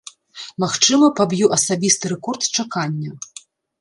Магчыма, паб'ю асабісты рэкорд чакання.